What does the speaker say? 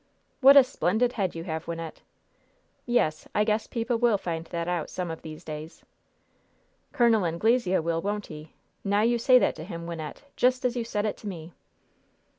"What a splendid head you have, Wynnette!" "Yes. I guess people will find that out some of these days." "Col. Anglesea will, won't he? Now you say that to him, Wynnette! Just as you said it to me!"